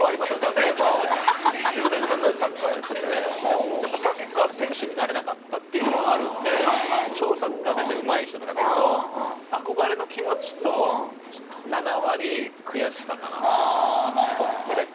例えば１０年間ぐらいサッカーやっててサッカー選手になれなかったというのはあるんで超サッカー選手でうまい人とか見ると、憧れの気持ちと、７割悔しさかな。